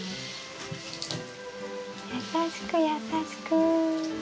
優しく優しく。